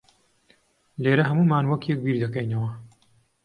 لێرە ھەموومان وەک یەک بیردەکەینەوە.